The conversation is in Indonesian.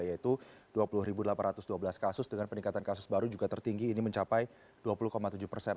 yaitu dua puluh delapan ratus dua belas kasus dengan peningkatan kasus baru juga tertinggi ini mencapai dua puluh tujuh persen